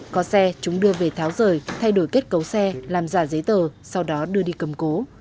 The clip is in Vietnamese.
có xe chúng đưa về tháo rời thay đổi kết cấu xe làm giả giấy tờ sau đó đưa đi cầm cố